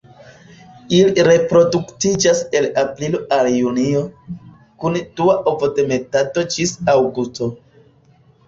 Ili reproduktiĝas el aprilo al junio, kun dua ovodemetado ĝis aŭgusto.